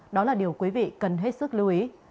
đó là điều quý vị cần hết sức lưu ý